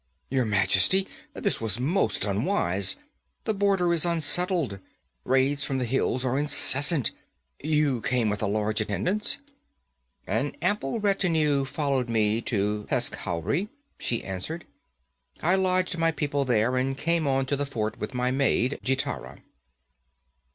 'Your Majesty! This was most unwise! The border is unsettled. Raids from the hills are incessant. You came with a large attendance?' 'An ample retinue followed me to Peshkhauri,' she answered. 'I lodged my people there and came on to the fort with my maid, Gitara.'